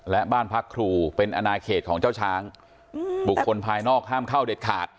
และบ้านพักครูเป็นอนาเขตของเจ้าช้างบุคคลภายนอกห้ามเข้าเด็ดขาด